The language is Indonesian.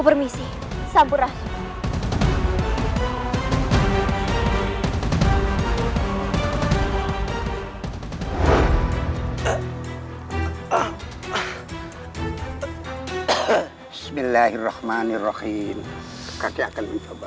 bismillahirohmanirohim kaki akan mencoba